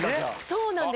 そうなんです。